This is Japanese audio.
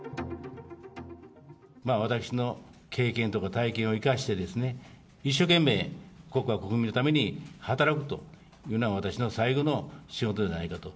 まあ、私の経験とか体験を生かして、一生懸命、国家国民のために働くというのが、私の最後の仕事じゃないかと。